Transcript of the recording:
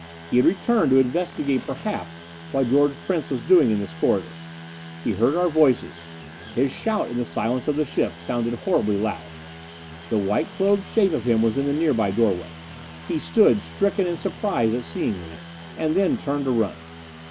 He had returned, to investigate perhaps what George Prince was doing in this corridor. He heard our voices; his shout in the silence of the ship sounded horribly loud. The white clothed shape of him was in the nearby doorway. He stood stricken in surprise at seeing me. And then turned to run.